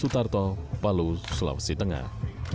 tartopalu sulawesi tengah